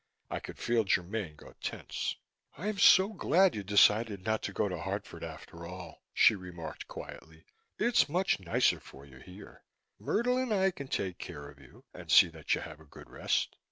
I could feel Germaine go tense. "I'm so glad you decided not to go to Hartford after all," she remarked quietly. "It's much nicer for you here. Myrtle and I can take care of you and see that you have a good rest.